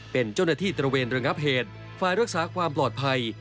เป็นเจ้าหน้าที่ตระเวนระงับเหตุฝ่ายรักษาความปลอดภัย